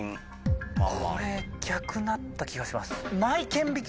これ逆だった気がします。